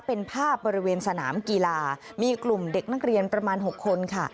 เป็นภาพบริเวณสนามกีฬามีกลุ่มเด็กนักเรียนประมาณ๖คนค่ะ